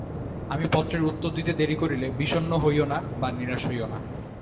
আমি পত্রের উত্তর দিতে দেরী করিলে বিষণ্ণ হইও না বা নিরাশ হইও না।